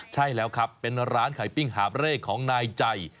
ใช่แล้วครับเป็นร้านไข่ปิ้งหาบเร่ของนายใจ